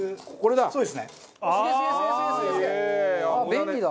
便利だ。